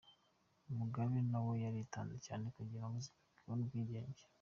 Mugabe nawe yaritanze cyane kugira ngo Zimbabwe ibone ubwigenge.